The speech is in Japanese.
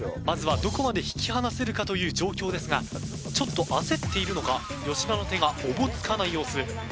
まずはどこまで引き離せるかという状況ですがちょっと焦っているのか吉田の手がおぼつかない様子。